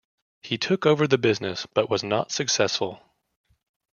He took over the business but was not successful.